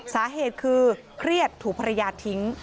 สาเหตุคือเครียดถูกภรรยาทิ้ง